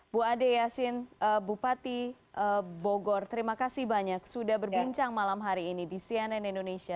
bu ade yasin bupati bogor terima kasih banyak sudah berbincang malam hari ini di cnn indonesia